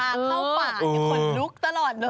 ถ้าเข้าป่าอย่างกว่าลุกตลอดเลย